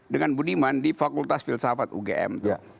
dengan budiman di fakultas filsafat ugm